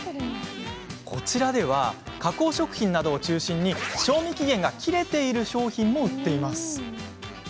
こちらでは加工食品などを中心に賞味期限が切れている商品も売っています。